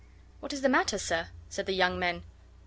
"What is the matter, sir?" said the young men.